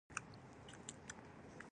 ایا خدای دې ستاسو علم زیات کړي؟